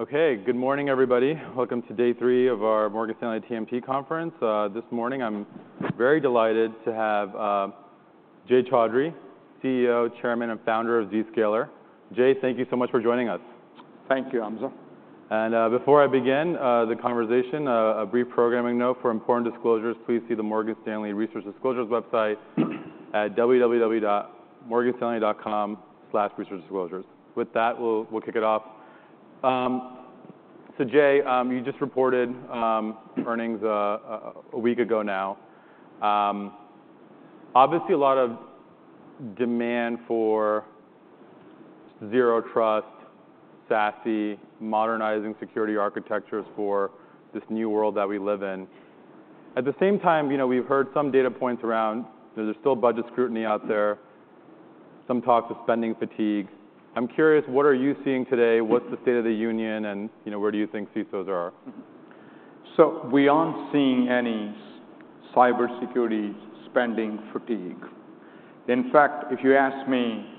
Okay, good morning, everybody. Welcome to day three of our Morgan Stanley TMT Conference. This morning I'm very delighted to have Jay Chaudhry, CEO, Chairman, and Founder of Zscaler. Jay, thank you so much for joining us. Thank you, Hamza. Before I begin the conversation, a brief programming note: for important disclosures, please see the Morgan Stanley Resource Disclosures website at www.morganstanley.com/resource-disclosures. With that, we'll kick it off. So Jay, you just reported earnings a week ago now. Obviously, a lot of demand for Zero Trust, SASE, modernizing security architectures for this new world that we live in. At the same time, we've heard some data points around there's still budget scrutiny out there, some talk of spending fatigue. I'm curious, what are you seeing today? What's the state of the union, and where do you think CISOs are? So we aren't seeing any cybersecurity spending fatigue. In fact, if you ask me,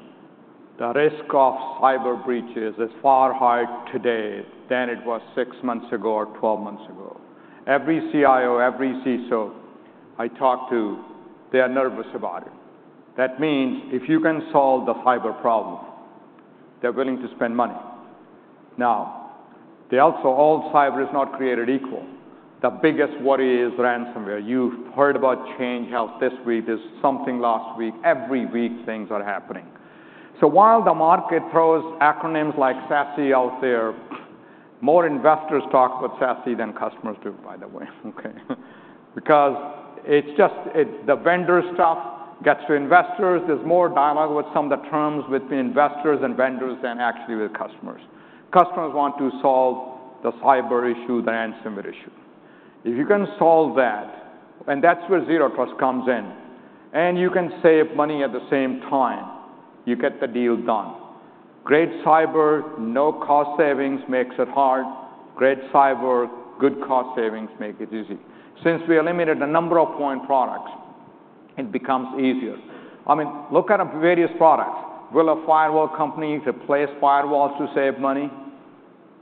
the risk of cyber breaches is far higher today than it was six months ago or 12 months ago. Every CIO, every CISO I talk to, they are nervous about it. That means if you can solve the cyber problem, they're willing to spend money. Now, also all cyber is not created equal. The biggest worry is ransomware. You've heard about Change Healthcare this week. There's something last week. Every week things are happening. So while the market throws acronyms like SASE out there, more investors talk about SASE than customers do, by the way, okay? Because it's just the vendor stuff gets to investors. There's more dialogue with some of the terms between investors and vendors than actually with customers. Customers want to solve the cyber issue, the ransomware issue. If you can solve that, and that's where Zero Trust comes in, and you can save money at the same time, you get the deal done. Great cyber, no cost savings makes it hard. Great cyber, good cost savings make it easy. Since we eliminate a number of point products, it becomes easier. I mean, look at various products. Will a firewall company replace firewalls to save money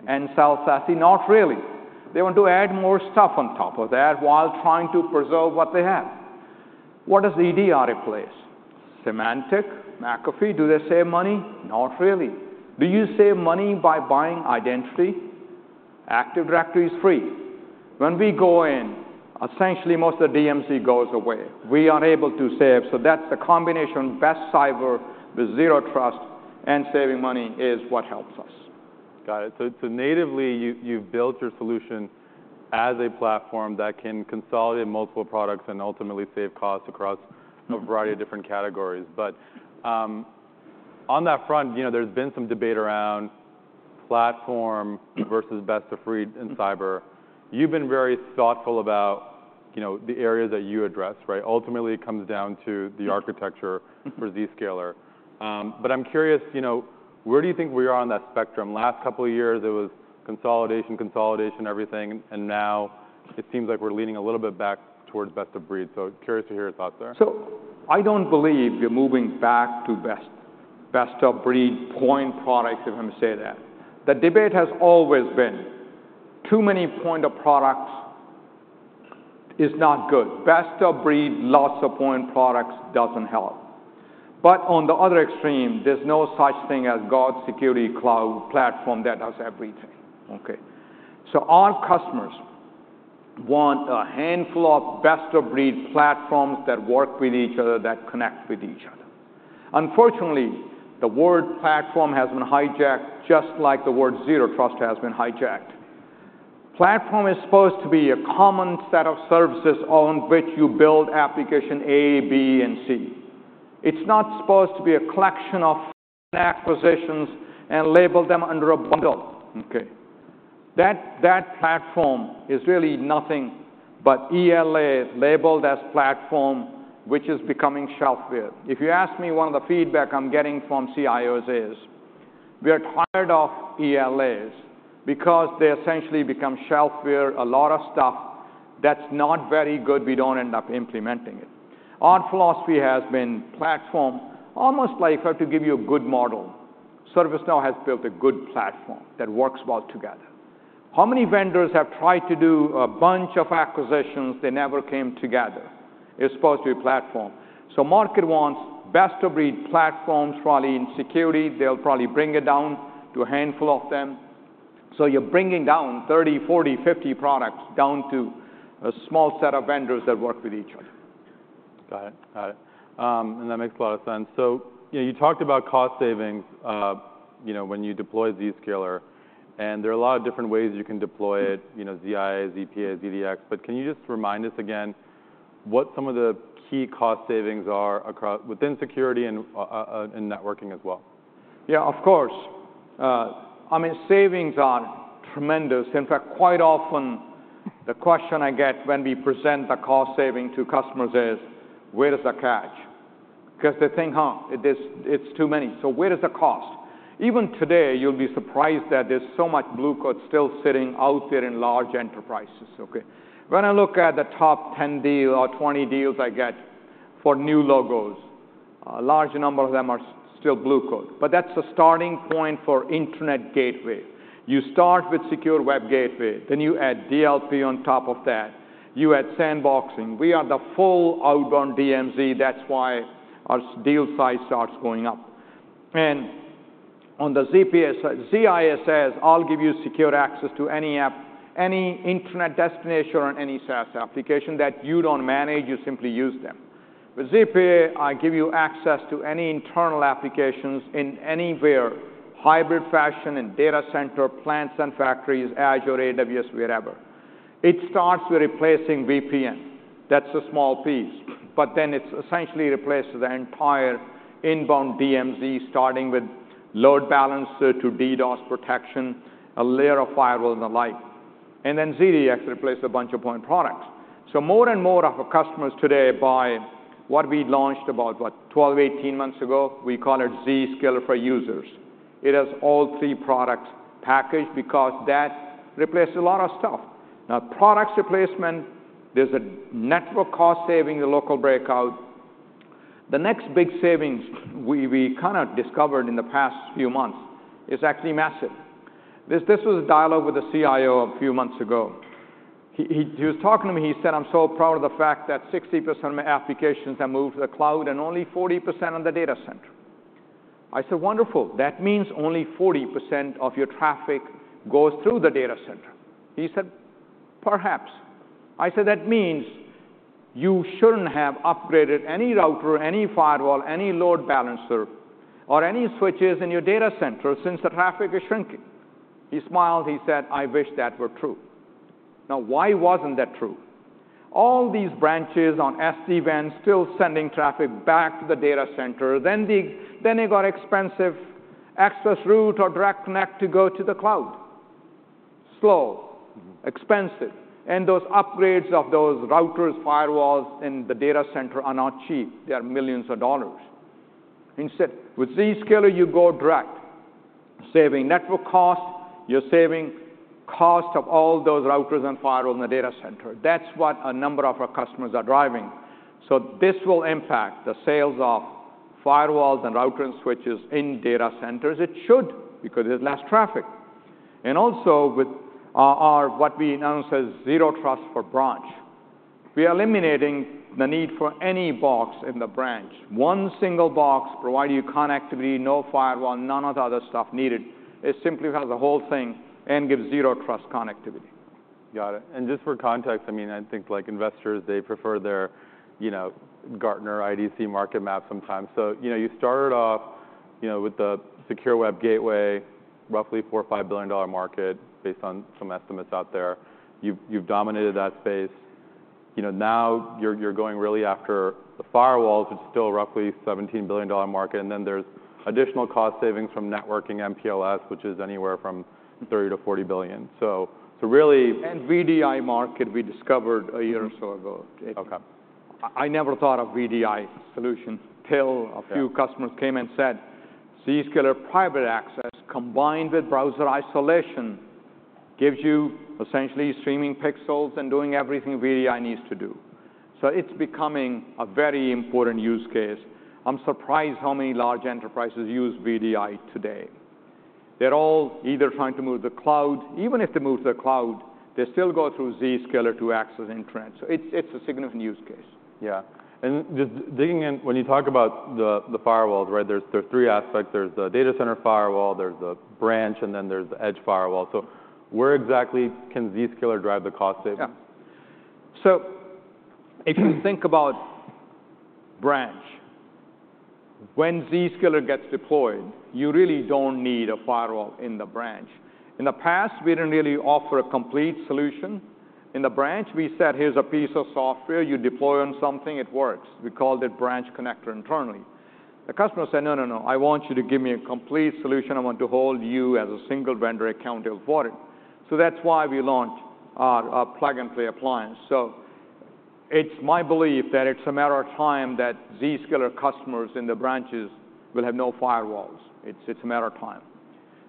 and sell SASE? Not really. They want to add more stuff on top of that while trying to preserve what they have. What does EDR replace? Symantec, McAfee, do they save money? Not really. Do you save money by buying identity? Active Directory is free. When we go in, essentially most of the DMZ goes away. We are able to save. So that's the combination of best cyber with Zero Trust and saving money is what helps us. Got it. So natively you've built your solution as a platform that can consolidate multiple products and ultimately save costs across a variety of different categories. But on that front, there's been some debate around platform versus best of breed in cyber. You've been very thoughtful about the areas that you address, right? Ultimately it comes down to the architecture for Zscaler. But I'm curious, where do you think we are on that spectrum? Last couple of years it was consolidation, consolidation, everything. And now it seems like we're leaning a little bit back towards best of breed. So curious to hear your thoughts there. So I don't believe we're moving back to best of breed point products, if I may say that. The debate has always been too many point products is not good. Best of breed, lots of point products doesn't help. But on the other extreme, there's no such thing as God's security cloud platform that does everything, okay? So our customers want a handful of best of breed platforms that work with each other, that connect with each other. Unfortunately, the word platform has been hijacked just like the word Zero Trust has been hijacked. Platform is supposed to be a common set of services on which you build application A, B, and C. It's not supposed to be a collection of acquisitions and label them under a bundle, okay? That platform is really nothing but ELA labeled as platform, which is becoming shelfware. If you ask me, one of the feedback I'm getting from CIOs is we are tired of ELAs because they essentially become shelfware. A lot of stuff that's not very good, we don't end up implementing it. Our philosophy has been platform, almost like if I have to give you a good model, ServiceNow has built a good platform that works well together. How many vendors have tried to do a bunch of acquisitions? They never came together. It's supposed to be platform. So market wants best of breed platforms, probably in security. They'll probably bring it down to a handful of them. So you're bringing down 30, 40, 50 products down to a small set of vendors that work with each other. Got it. Got it. And that makes a lot of sense. So you talked about cost savings when you deploy Zscaler, and there are a lot of different ways you can deploy it, ZIA, ZPA, ZDX. But can you just remind us again what some of the key cost savings are within security and networking as well? Yeah, of course. I mean, savings are tremendous. In fact, quite often the question I get when we present the cost saving to customers is, where does the catch? Because they think, huh, it's too many. So where does the cost? Even today you'll be surprised that there's so much Blue Coat still sitting out there in large enterprises, okay? When I look at the top 10 deals or 20 deals I get for new logos, a large number of them are still Blue Coat. But that's the starting point for internet gateway. You start with Secure Web Gateway. Then you add DLP on top of that. You add sandboxing. We are the full outbound DMZ. That's why our deal size starts going up. And on the ZPA, ZIA says, I'll give you secure access to any app, any internet destination, or any SaaS application that you don't manage. You simply use them. With ZPA, I give you access to any internal applications in anywhere, hybrid fashion, in data center, plants, and factories, Azure, AWS, wherever. It starts with replacing VPN. That's a small piece. But then it's essentially replaced the entire inbound DMZ, starting with load balancer to DDoS protection, a layer of firewall and the like. And then ZDX replaces a bunch of point products. So more and more of our customers today buy what we launched about, what, 12, 18 months ago. We call it Zscaler for Users. It has all three products packaged because that replaces a lot of stuff. Now, products replacement, there's a network cost saving, the local breakout. The next big savings we kind of discovered in the past few months is actually massive. This was a dialogue with the CIO a few months ago. He was talking to me. He said, "I'm so proud of the fact that 60% of my applications have moved to the cloud and only 40% on the data center." I said, "Wonderful. That means only 40% of your traffic goes through the data center." He said, "Perhaps." I said, "That means you shouldn't have upgraded any router, any firewall, any load balancer, or any switches in your data center since the traffic is shrinking." He smiled. He said, "I wish that were true." Now, why wasn't that true? All these branches on SD-WAN still sending traffic back to the data center. Then they got expensive access route or direct connect to go to the cloud. Slow, expensive. And those upgrades of those routers, firewalls in the data center are not cheap. They are $ millions. Instead, with Zscaler, you go direct, saving network cost. You're saving cost of all those routers and firewalls in the data center. That's what a number of our customers are driving. So this will impact the sales of firewalls and routers and switches in data centers. It should because there's less traffic. And also with what we announced as Zero Trust Branch, we are eliminating the need for any box in the branch. One single box providing you connectivity, no firewall, none of the other stuff needed. It simply has the whole thing and gives Zero Trust connectivity. Got it. And just for context, I mean, I think investors, they prefer their Gartner IDC market map sometimes. So you started off with the secure web gateway, roughly $4 to 5 billion market based on some estimates out there. You've dominated that space. Now you're going really after the firewalls, which is still roughly $17 billion market. And then there's additional cost savings from networking MPLS, which is anywhere from $30 to 40 billion. So really. VDI market we discovered a year or so ago. I never thought of VDI solution till a few customers came and said, Zscaler Private Access combined with browser isolation gives you essentially streaming pixels and doing everything VDI needs to do. So it's becoming a very important use case. I'm surprised how many large enterprises use VDI today. They're all either trying to move to the cloud. Even if they move to the cloud, they still go through Zscaler to access intranet. So it's a significant use case. Yeah. And just digging in, when you talk about the firewalls, there's three aspects. There's the data center firewall, there's the branch, and then there's the edge firewall. So where exactly can Zscaler drive the cost savings? Yeah. So if you think about branch, when Zscaler gets deployed, you really don't need a firewall in the branch. In the past, we didn't really offer a complete solution. In the branch, we said, here's a piece of software. You deploy on something. It works. We called it branch connector internally. The customer said, no, no, no. I want you to give me a complete solution. I want to hold you as a single vendor accountable for it. So that's why we launched our plug-and-play appliance. So it's my belief that it's a matter of time that Zscaler customers in the branches will have no firewalls. It's a matter of time.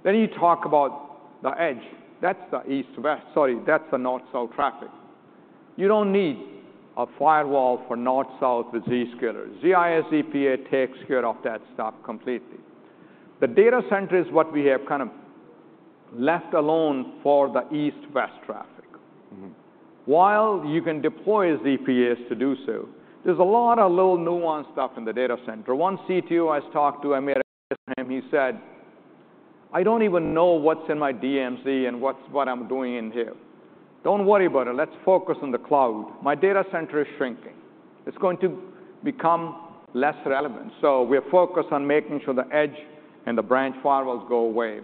Then you talk about the edge. That's the east-west. Sorry. That's the north-south traffic. You don't need a firewall for north-south with Zscaler. ZIA, ZPA takes care of that stuff completely. The data center is what we have kind of left alone for the east-west traffic. While you can deploy ZPAs to do so, there's a lot of little nuanced stuff in the data center. One CTO I talked to, Amit Sinha, he said, "I don't even know what's in my DMZ and what I'm doing in here. Don't worry about it. Let's focus on the cloud. My data center is shrinking. It's going to become less relevant." So we're focused on making sure the edge and the branch firewalls go away.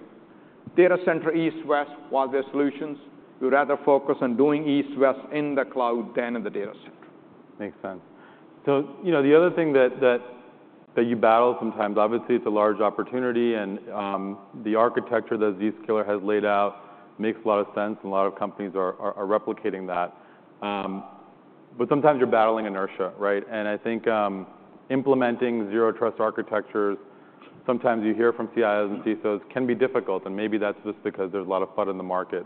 Data center east-west, while there's solutions, we'd rather focus on doing east-west in the cloud than in the data center. Makes sense. So the other thing that you battle sometimes, obviously it's a large opportunity and the architecture that Zscaler has laid out makes a lot of sense. And a lot of companies are replicating that. But sometimes you're battling inertia, right? And I think implementing Zero Trust architectures, sometimes you hear from CIOs and CISOs, can be difficult. And maybe that's just because there's a lot of FUD in the market.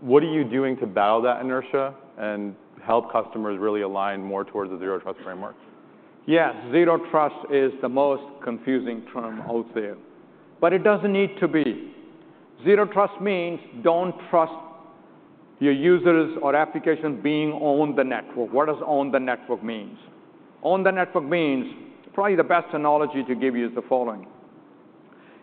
So what are you doing to battle that inertia and help customers really align more towards a Zero Trust framework? Yeah. Zero Trust is the most confusing term out there. But it doesn't need to be. Zero Trust means don't trust your users or applications being on the network. What does on the network mean? On the network means, probably the best analogy to give you is the following.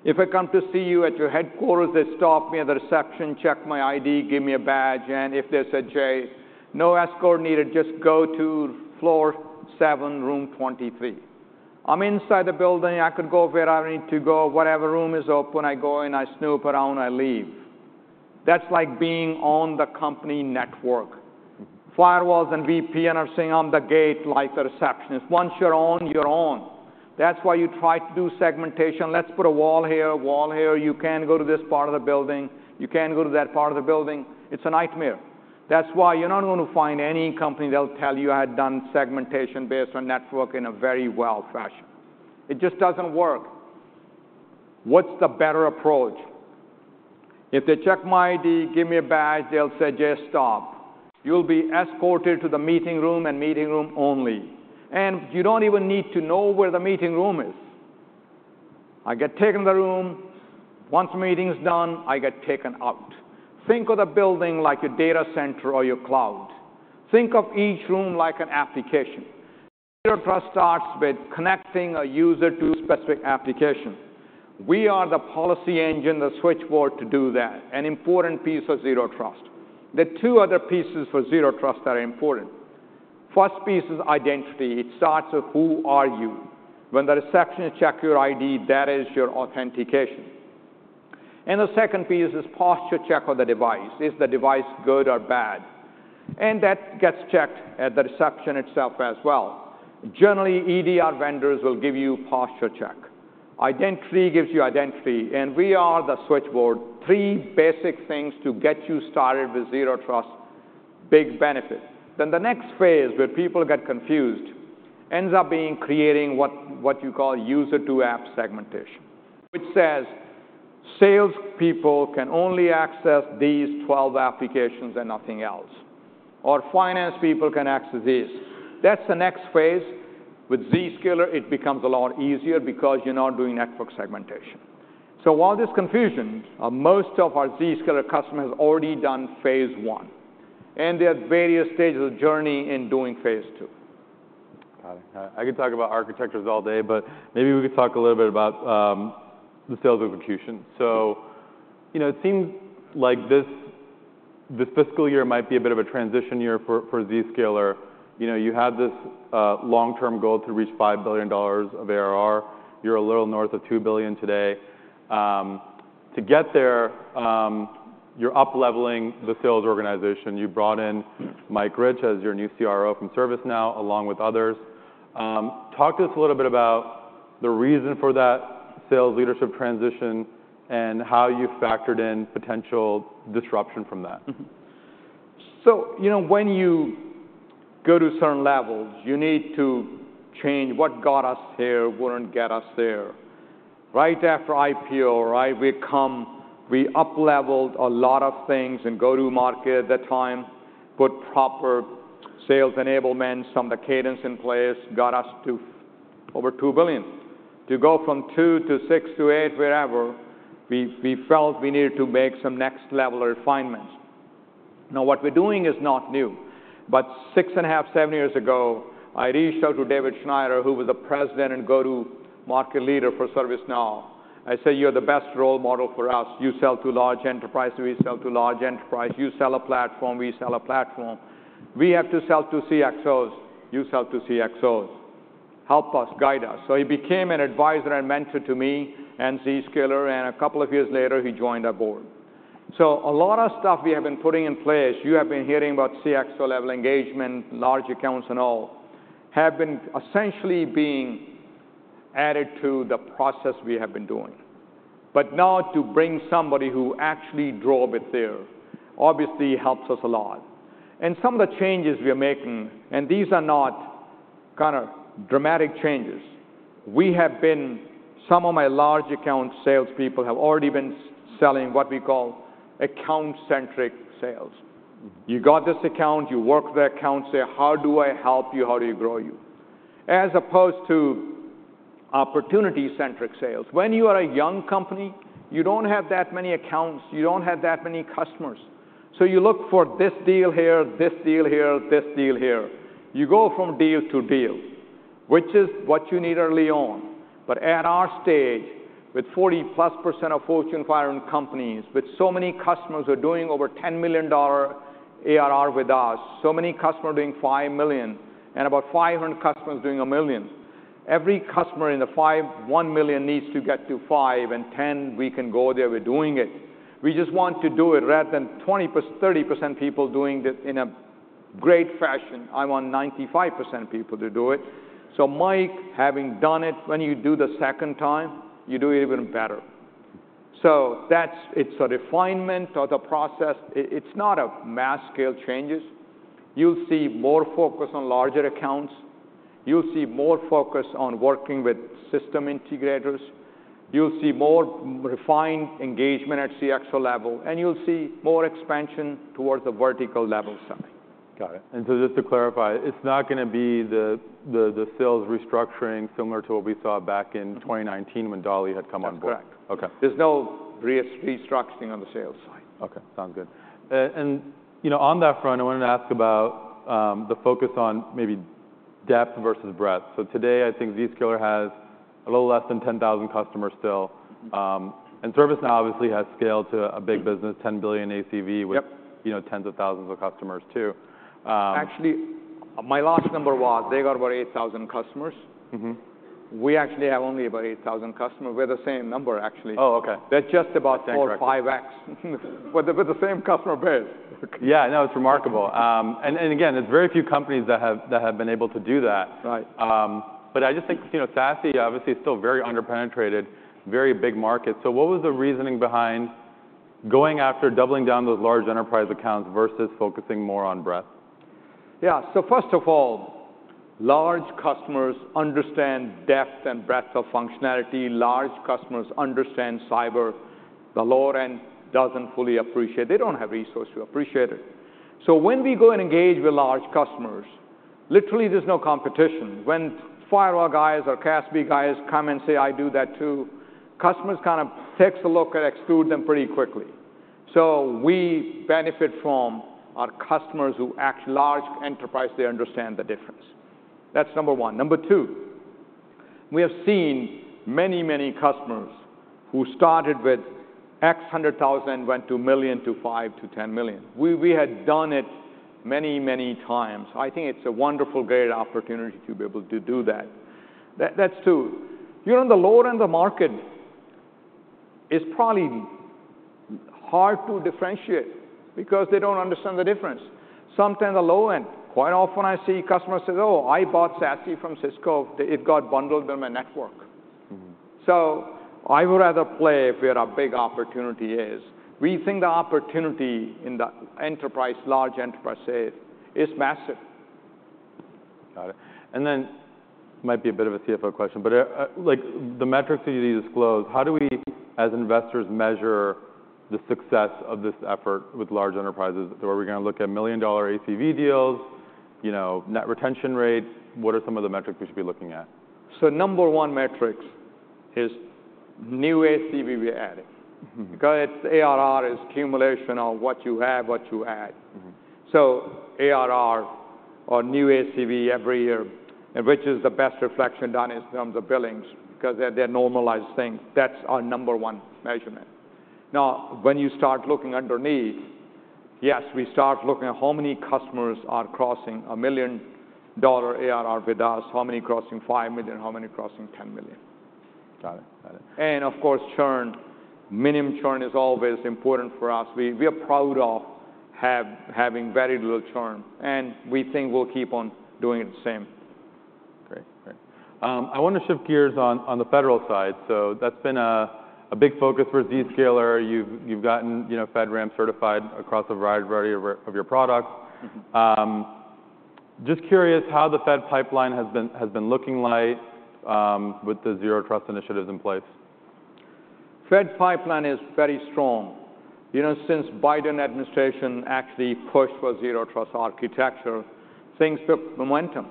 If I come to see you at your headquarters, they stop me at the reception, check my ID, give me a badge. And if they said, Jay, no escort needed. Just go to floor seven, room 23. I'm inside the building. I could go where I need to go. Whatever room is open, I go in, I snoop around, I leave. That's like being on the company network. Firewalls and VPN are saying, I'm the gate, like the receptionist. Once you're on, you're on. That's why you try to do segmentation. Let's put a wall here, wall here. You can't go to this part of the building. You can't go to that part of the building. It's a nightmare. That's why you're not going to find any company that'll tell you I had done segmentation based on network in a very well-fashioned way. It just doesn't work. What's the better approach? If they check my ID, give me a badge, they'll say, Jay, stop. You'll be escorted to the meeting room and meeting room only. And you don't even need to know where the meeting room is. I get taken to the room. Once meeting's done, I get taken out. Think of the building like your data center or your cloud. Think of each room like an application. Zero Trust starts with connecting a user to a specific application. We are the policy engine, the switchboard to do that, an important piece of Zero Trust. There are two other pieces for Zero Trust that are important. First piece is identity. It starts with who are you? When the receptionist checks your ID, that is your authentication. And the second piece is posture check of the device. Is the device good or bad? And that gets checked at the reception itself as well. Generally, EDR vendors will give you a posture check. Identity gives you identity. And we are the switchboard. Three basic things to get you started with Zero Trust, big benefit. Then the next phase where people get confused ends up being creating what you call user-to-app segmentation, which says salespeople can only access these 12 applications and nothing else, or finance people can access these. That's the next phase. With Zscaler, it becomes a lot easier because you're not doing network segmentation. So while there's confusion, most of our Zscaler customers have already done phase I. And they have various stages of journey in doing phase II. Got it. I could talk about architectures all day, but maybe we could talk a little bit about the sales execution. So it seems like this fiscal year might be a bit of a transition year for Zscaler. You had this long-term goal to reach $5 billion of ARR. You're a little north of $2 billion today. To get there, you're upleveling the sales organization. You brought in Mike Rich as your new CRO from ServiceNow, along with others. Talk to us a little bit about the reason for that sales leadership transition and how you factored in potential disruption from that. So when you go to certain levels, you need to change what got us here, wouldn't get us there. Right after IPO, we upleveled a lot of things in go-to-market at that time. Put proper sales enablements, some of the cadence in place, got us to over $2 billion. To go from $2 to 6 to 8 billion, wherever, we felt we needed to make some next-level refinements. Now, what we're doing is not new. But 6.5 to 7 years ago, I reached out to David Schneider, who was the president and go-to-market leader for ServiceNow. I said, you're the best role model for us. You sell to large enterprises. We sell to large enterprises. You sell a platform. We sell a platform. We have to sell to CXOs. You sell to CXOs. Help us, guide us. So he became an advisor and mentor to me and Zscaler. And a couple of years later, he joined our board. So a lot of stuff we have been putting in place, you have been hearing about CXO level engagement, large accounts and all, have been essentially being added to the process we have been doing. But now to bring somebody who actually drove it there obviously helps us a lot. And some of the changes we are making, and these are not kind of dramatic changes, we have been some of my large account salespeople have already been selling what we call account-centric sales. You got this account. You work with the accounts. They're, how do I help you? How do you grow you? As opposed to opportunity-centric sales. When you are a young company, you don't have that many accounts. You don't have that many customers. So you look for this deal here, this deal here, this deal here. You go from deal to deal, which is what you need early on. But at our stage, with 40%+ of Fortune 500 companies, with so many customers who are doing over $10 million ARR with us, so many customers doing $5 million and about 500 customers doing $1 million, every customer in the $1 million needs to get to $5 million. And $10 million, we can go there. We're doing it. We just want to do it rather than 20%, 30% people doing it in a great fashion. I want 95% people to do it. So Mike, having done it, when you do the second time, you do it even better. So it's a refinement of the process. It's not mass scale changes. You'll see more focus on larger accounts. You'll see more focus on working with system integrators. You'll see more refined engagement at CXO level. You'll see more expansion towards the vertical level side. Got it. And so just to clarify, it's not going to be the sales restructuring similar to what we saw back in 2019 when Dali had come on board? That's correct. There's no restructuring on the sales side. OK. Sounds good. On that front, I wanted to ask about the focus on maybe depth versus breadth. Today, I think Zscaler has a little less than 10,000 customers still. ServiceNow obviously has scaled to a big business, $10 billion ACV with tens of thousands of customers too. Actually, my last number was they got about 8,000 customers. We actually have only about 8,000 customers. We're the same number, actually. Oh, OK. They're just about 4 or 5x with the same customer base. Yeah. No, it's remarkable. And again, there's very few companies that have been able to do that. But I just think SASE obviously is still very under-penetrated, very big market. So what was the reasoning behind going after doubling down those large enterprise accounts versus focusing more on breadth? Yeah. So first of all, large customers understand depth and breadth of functionality. Large customers understand cyber. The lower end doesn't fully appreciate. They don't have resources to appreciate it. So when we go and engage with large customers, literally, there's no competition. When firewall guys or CASB guys come and say, I do that too, customers kind of take a look and exclude them pretty quickly. So we benefit from our customers who actually large enterprises, they understand the difference. That's number one. Number two, we have seen many, many customers who started with say $100,000 and went to $1 to 5 to 10 million. We had done it many, many times. I think it's a wonderful, great opportunity to be able to do that. That's two. The lower end of the market is probably hard to differentiate because they don't understand the difference. Sometimes the low end, quite often I see customers say, oh, I bought SASE from Cisco. It got bundled in my network. So I would rather play where a big opportunity is. We think the opportunity in the enterprise, large enterprise SASE, is massive. Got it. And then it might be a bit of a CFO question, but the metrics that you disclose, how do we, as investors, measure the success of this effort with large enterprises? Are we going to look at million-dollar ACV deals, net retention rates? What are some of the metrics we should be looking at? So number 1 metric is new ACV we're adding because it's ARR, is accumulation of what you have, what you add. So ARR or new ACV every year, which is the best reflection done in terms of billings because they're normalized things. That's our number one measurement. Now, when you start looking underneath, yes, we start looking at how many customers are crossing $1 million ARR with us, how many crossing $5 million, how many crossing $10 million. Got it. Got it. And of course, churn. Minimum churn is always important for us. We are proud of having very little churn. And we think we'll keep on doing it the same. Great. Great. I want to shift gears on the federal side. So that's been a big focus for Zscaler. You've gotten FedRAMP certified across a variety of your products. Just curious how the Fed pipeline has been looking like with the Zero Trust initiatives in place. Fed pipeline is very strong. Since the Biden administration actually pushed for zero trust architecture, things took momentum.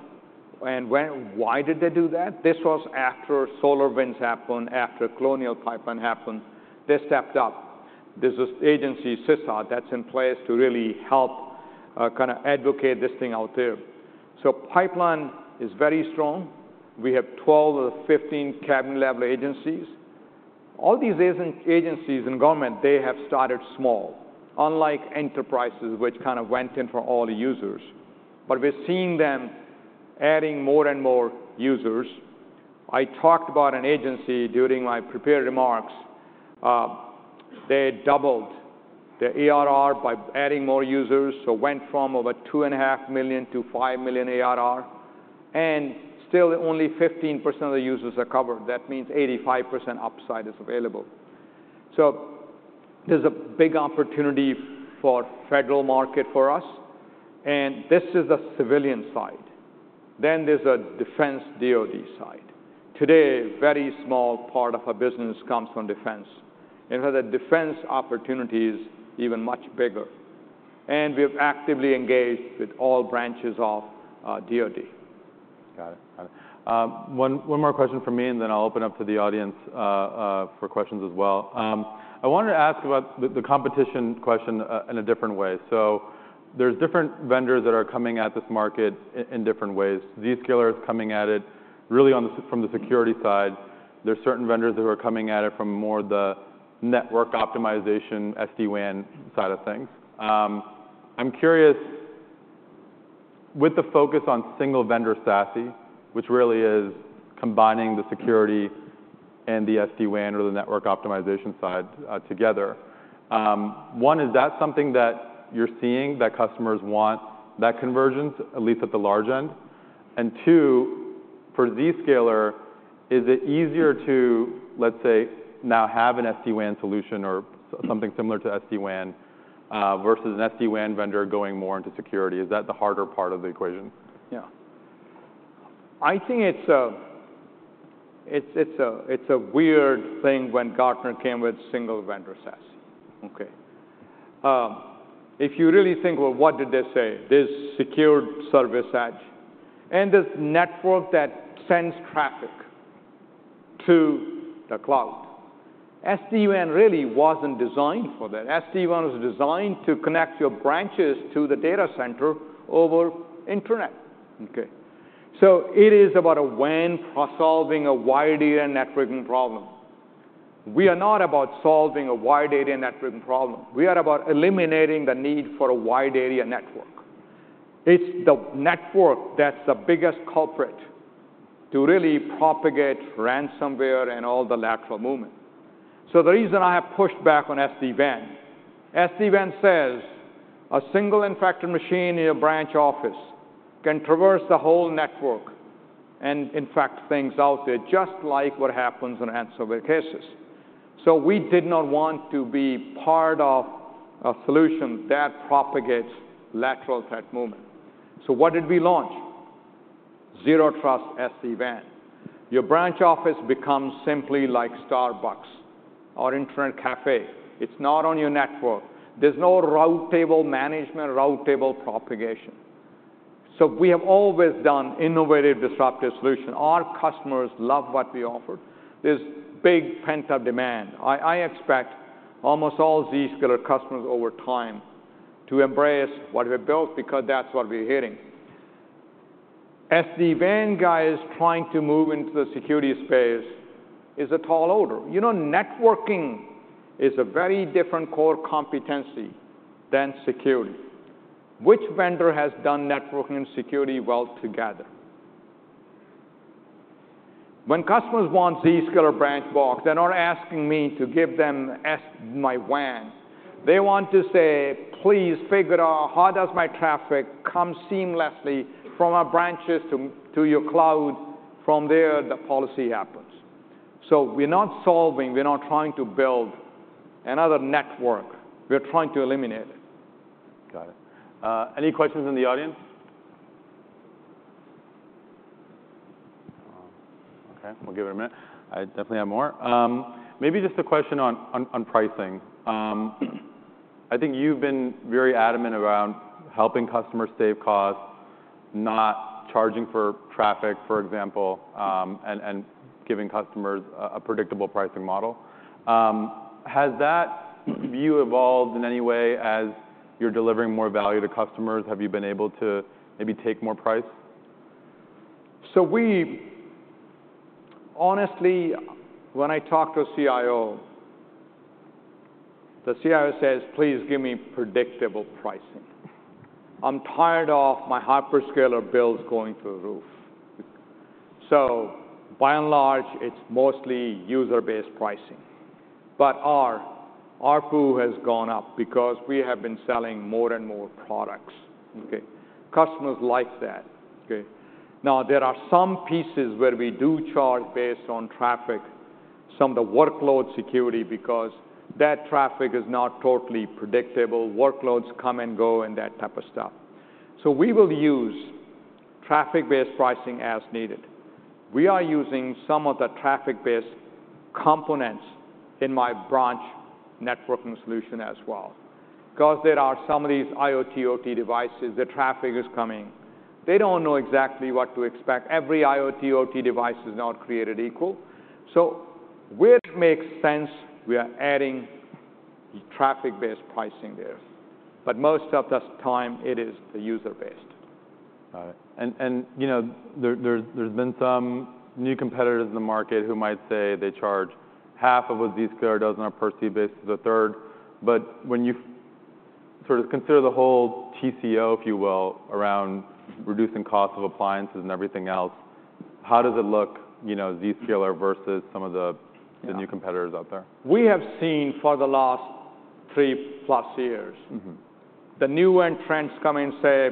And why did they do that? This was after SolarWinds happened, after Colonial Pipeline happened. They stepped up. There's this agency, CISA, that's in place to really help kind of advocate this thing out there. So pipeline is very strong. We have 12 of the 15 cabinet-level agencies. All these agencies in government, they have started small, unlike enterprises, which kind of went in for all users. But we're seeing them adding more and more users. I talked about an agency during my prepared remarks. They doubled their ARR by adding more users. So went from over $2.5 to 5 million ARR. And still, only 15% of the users are covered. That means 85% upside is available. There's a big opportunity for the federal market for us. This is the civilian side. There's a defense DoD side. Today, a very small part of our business comes from defense. In fact, the defense opportunity is even much bigger. We have actively engaged with all branches of DoD. Got it. Got it. One more question from me, and then I'll open up to the audience for questions as well. I wanted to ask about the competition question in a different way. There's different vendors that are coming at this market in different ways. Zscaler is coming at it really from the security side. There's certain vendors that are coming at it from more the network optimization, SD-WAN side of things. I'm curious, with the focus on single vendor SASE, which really is combining the security and the SD-WAN or the network optimization side together, one, is that something that you're seeing that customers want that conversions, at least at the large end? And two, for Zscaler, is it easier to, let's say, now have an SD-WAN solution or something similar to SD-WAN versus an SD-WAN vendor going more into security? Is that the harder part of the equation? Yeah. I think it's a weird thing when Gartner came with single vendor SASE. OK. If you really think, well, what did they say? This Secured Service Edge and this network that sends traffic to the cloud. SD-WAN really wasn't designed for that. SD-WAN was designed to connect your branches to the data center over the internet. So it is about a WAN solving a wide area networking problem. We are not about solving a wide area networking problem. We are about eliminating the need for a wide area network. It's the network that's the biggest culprit to really propagate ransomware and all the lateral movement. So the reason I have pushed back on SD-WAN. SD-WAN says a single infected machine in your branch office can traverse the whole network and infect things out there just like what happens in ransomware cases. So we did not want to be part of a solution that propagates lateral threat movement. So what did we launch? Zero Trust SD-WAN. Your branch office becomes simply like Starbucks or internet café. It's not on your network. There's no route table management, route table propagation. So we have always done innovative, disruptive solutions. Our customers love what we offered. There's big pent-up demand. I expect almost all Zscaler customers over time to embrace what we've built because that's what we're hearing. SD-WAN guys trying to move into the security space is a tall order. Networking is a very different core competency than security. Which vendor has done networking and security well together? When customers want Zscaler branch box, they're not asking me to give them my WAN. They want to say, please figure out how does my traffic come seamlessly from our branches to your cloud. From there, the policy happens. So we're not solving. We're not trying to build another network. We're trying to eliminate it. Got it. Any questions in the audience? OK. We'll give it a minute. I definitely have more. Maybe just a question on pricing. I think you've been very adamant around helping customers save costs, not charging for traffic, for example, and giving customers a predictable pricing model. Has that view evolved in any way as you're delivering more value to customers? Have you been able to maybe take more price? So honestly, when I talk to a CIO, the CIO says, please give me predictable pricing. I'm tired of my hyperscaler bills going through the roof. So by and large, it's mostly user-based pricing. But our ARPU has gone up because we have been selling more and more products. Customers like that. Now, there are some pieces where we do charge based on traffic, some of the workload security because that traffic is not totally predictable. Workloads come and go and that type of stuff. So we will use traffic-based pricing as needed. We are using some of the traffic-based components in my branch networking solution as well because there are some of these IoT/OT devices. The traffic is coming. They don't know exactly what to expect. Every IoT/OT device is not created equal. So where it makes sense, we are adding traffic-based pricing there. But most of the time, it is the user-based. Got it. There's been some new competitors in the market who might say they charge half of what Zscaler does on a per seat basis, a third. When you sort of consider the whole TCO, if you will, around reducing costs of appliances and everything else, how does it look, Zscaler versus some of the new competitors out there? We have seen for the last 3+ years, the newer trends come in and say,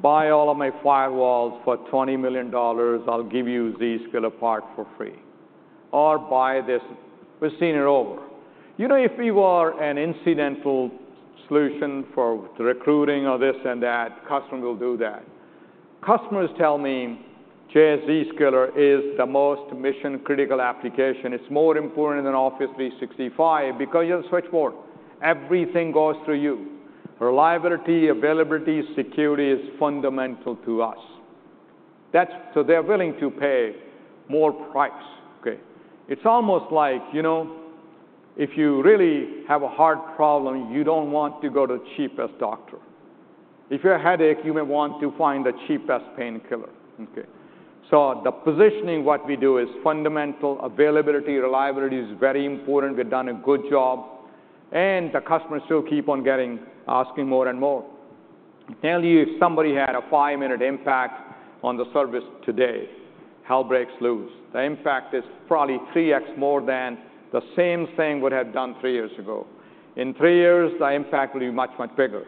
buy all of my firewalls for $20 million. I'll give you Zscaler parts for free. Or buy this. We've seen it over. If we were an incidental solution for recruiting or this and that, customer will do that. Customers tell me, Jay's Zscaler is the most mission-critical application. It's more important than Office 365 because you have a switchboard. Everything goes through you. Reliability, availability, security is fundamental to us. So they're willing to pay more price. It's almost like if you really have a hard problem, you don't want to go to the cheapest doctor. If you have a headache, you may want to find the cheapest painkiller. So the positioning, what we do, is fundamental. Availability, reliability is very important. We've done a good job. The customers still keep on asking more and more. Tell you, if somebody had a five-minute impact on the service today, hell breaks loose. The impact is probably 3x more than the same thing we would have done three years ago. In three years, the impact will be much, much bigger.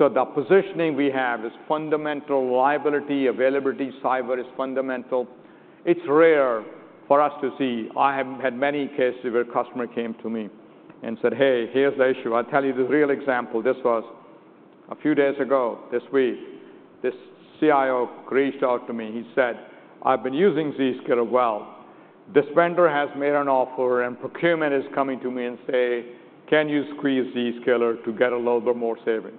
So the positioning we have is fundamental. Reliability, availability, cyber is fundamental. It's rare for us to see. I have had many cases where a customer came to me and said, hey, here's the issue. I'll tell you the real example. This was a few days ago, this week. This CIO reached out to me. He said, I've been using Zscaler well. This vendor has made an offer, and procurement is coming to me and say, can you squeeze Zscaler to get a little bit more savings?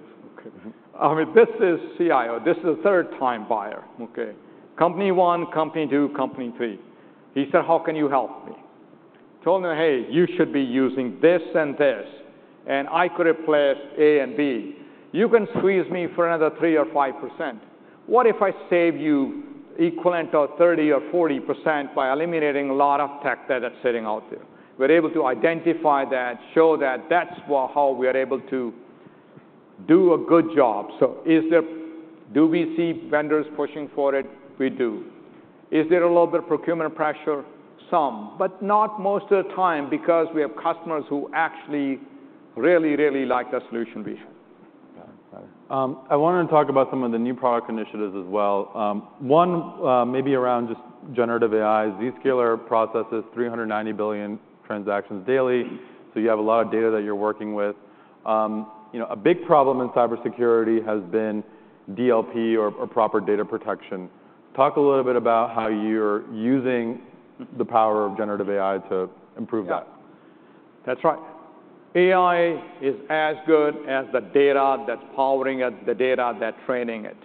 I mean, this is CIO. This is the third-time buyer. Company one, company two, company three. He said, how can you help me? Told him, hey, you should be using this and this. And I could replace A and B. You can squeeze me for another 3% or 5%. What if I save you the equivalent of 30% or 40% by eliminating a lot of tech that's sitting out there? We're able to identify that, show that. That's how we are able to do a good job. So do we see vendors pushing for it? We do. Is there a little bit of procurement pressure? Some, but not most of the time because we have customers who actually really, really like the solution we have. Got it. Got it. I wanted to talk about some of the new product initiatives as well. One, maybe around just generative AI. Zscaler processes 390 billion transactions daily. So you have a lot of data that you're working with. A big problem in cybersecurity has been DLP or proper data protection. Talk a little bit about how you're using the power of generative AI to improve that. That's right. AI is as good as the data that's powering it, the data that's training it.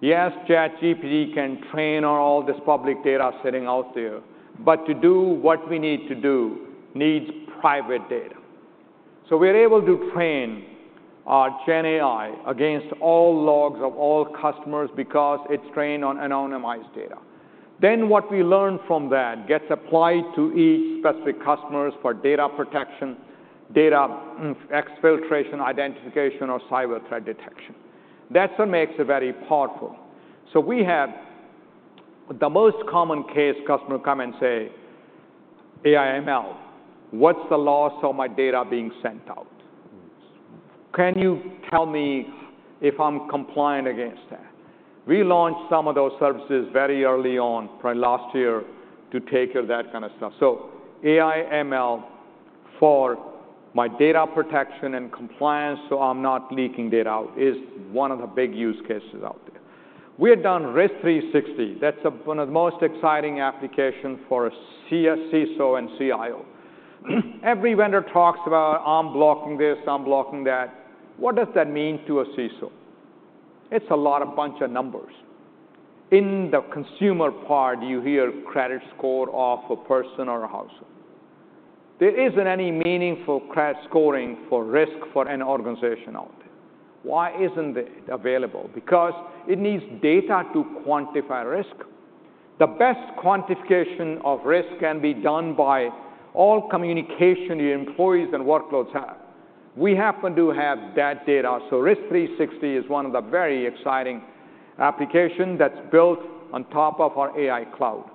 Yes, ChatGPT can train on all this public data sitting out there. But to do what we need to do, it needs private data. So we're able to train our GenAI against all logs of all customers because it's trained on anonymized data. Then what we learn from that gets applied to each specific customer for data protection, data exfiltration, identification, or cyber threat detection. That's what makes it very powerful. So we have the most common case customer come and say, AI/ML, what's the loss of my data being sent out? Can you tell me if I'm compliant against that? We launched some of those services very early on last year to take care of that kind of stuff. So AI/ML for my data protection and compliance so I'm not leaking data out is one of the big use cases out there. We have done Risk360. That's one of the most exciting applications for a CISO and CIO. Every vendor talks about, I'm blocking this, I'm blocking that. What does that mean to a CISO? It's a bunch of numbers. In the consumer part, you hear credit score of a person or a household. There isn't any meaningful credit scoring for risk for an organization out there. Why isn't it available? Because it needs data to quantify risk. The best quantification of risk can be done by all communication your employees and workloads have. We happen to have that data. So Risk360 is one of the very exciting applications that's built on top of our AI cloud.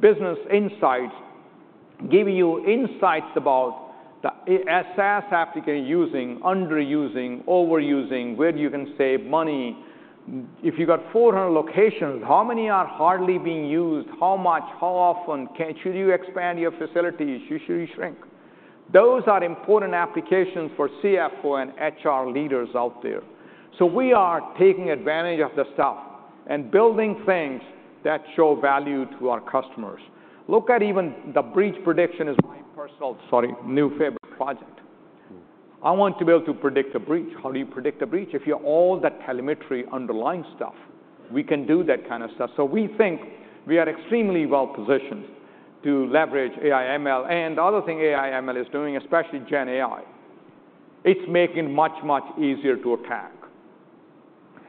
Business Insights give you insights about the SaaS applications you're using, underusing, overusing, where you can save money. If you've got 400 locations, how many are hardly being used? How much? How often? Should you expand your facilities? Should you shrink? Those are important applications for CFO and HR leaders out there. So we are taking advantage of the stuff and building things that show value to our customers. Look at even the breach prediction is my personal new favorite project. I want to be able to predict a breach. How do you predict a breach? If you have all the telemetry underlying stuff, we can do that kind of stuff. So we think we are extremely well positioned to leverage AI/ML. And the other thing AI/ML is doing, especially GenAI, it's making it much, much easier to attack.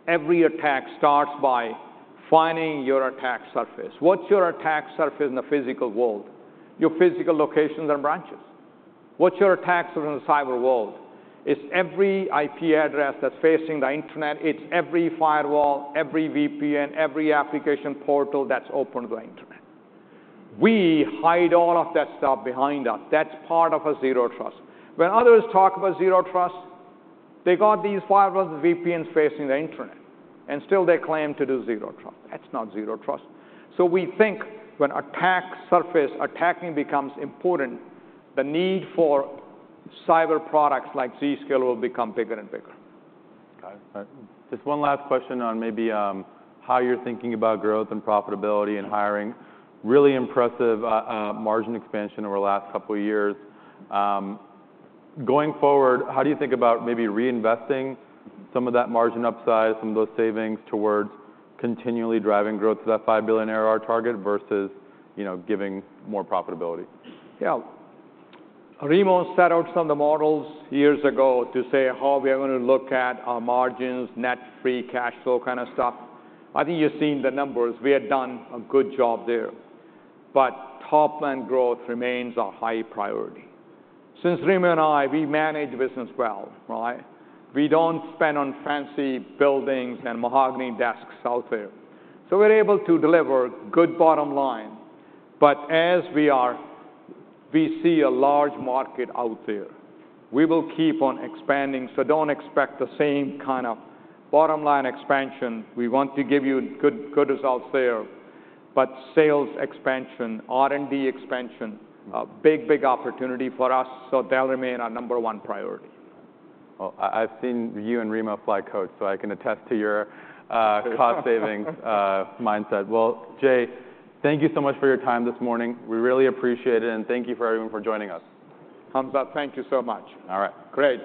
Every attack starts by finding your attack surface. What's your attack surface in the physical world? Your physical locations and branches. What's your attack surface in the cyber world? It's every IP address that's facing the internet. It's every firewall, every VPN, every application portal that's open to the internet. We hide all of that stuff behind us. That's part of a Zero Trust. When others talk about Zero Trust, they got these firewalls and VPNs facing the internet. And still, they claim to do Zero Trust. That's not Zero Trust. So we think when attack surface attacking becomes important, the need for cyber products like Zscaler will become bigger and bigger. Got it. Just one last question on maybe how you're thinking about growth and profitability and hiring. Really impressive margin expansion over the last couple of years. Going forward, how do you think about maybe reinvesting some of that margin upside, some of those savings towards continually driving growth to that $5 billion ARR target versus giving more profitability? Yeah. Remo set out some of the models years ago to say how we are going to look at our margins, net free cash flow kind of stuff. I think you've seen the numbers. We have done a good job there. But top-line growth remains our high priority. Since Remo and I, we manage business well. We don't spend on fancy buildings and mahogany desks out there. So we're able to deliver good bottom line. But as we are, we see a large market out there. We will keep on expanding. So don't expect the same kind of bottom line expansion. We want to give you good results there. But sales expansion, R&D expansion, a big, big opportunity for us. So they'll remain our number one priority. I've seen you and Remo fly coach. So I can attest to your cost savings mindset. Well, Jay, thank you so much for your time this morning. We really appreciate it. And thank you to everyone for joining us. Hamza. Thank you so much. All right. Great.